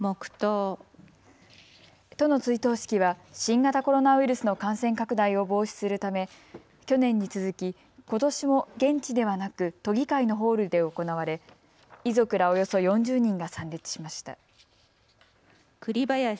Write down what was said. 都の追悼式は新型コロナウイルスの感染拡大を防止するため去年に続きことしも現地ではなく都議会のホールで行われ遺族らおよそ４０人が参列しました。